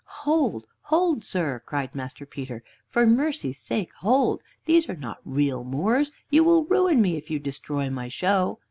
"Hold! hold, sir!" cried Master Peter, "for mercy's sake, hold! These are not real Moors. You will ruin me if you destroy my show."